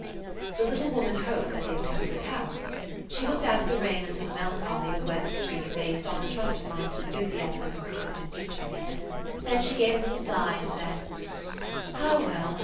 The little woman hoped they would have a good house. She looked out at the rain until the melancholy of the wet street effaced all the trustfulness and enthusiasm from her twisted features. Then she gave a little sigh and said: "Ah, well!